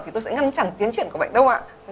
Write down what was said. thì tôi sẽ ngăn chặn tiến triển của bệnh đâu ạ